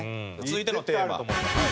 続いてのテーマ。